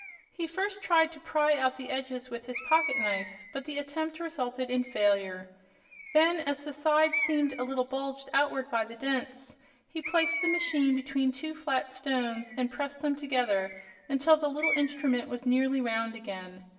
He first tried to pry out the edges with his pocket knife, but the attempt resulted in failure, Then, as the sides seemed a little bulged outward by the dents, he placed the machine between two flat stones and pressed them together until the little instrument was nearly round again.